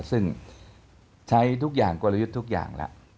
ซึ่งใช้ทุกอย่างกลยุทธ์ทุกอย่างแล้ว